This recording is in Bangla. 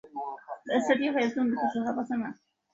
দক্ষিণ-চট্টগ্রামের রামু শহর এখনো দশ ক্রোশ দূরে।